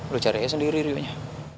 lo cari aja sendiri rio nya